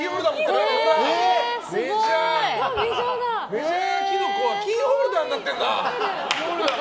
メジャーキノコはキーホルダーになってるんだ。